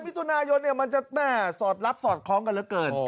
มิถุนายนมันจะแม่สอดรับสอดคล้องกันเหลือเกิน